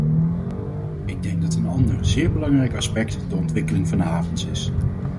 Ik denk dat een ander, zeer belangrijk aspect de ontwikkeling van de havens is.